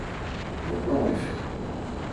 Mon plan est fait.